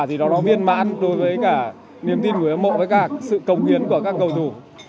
thì đó là viên mãn đối với cả niềm tin của người hâm mộ với cả sự cống hiến của các cầu thủ